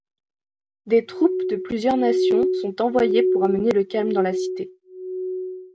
Des troupes de plusieurs nations sont envoyées pour ramener le calme dans la cité.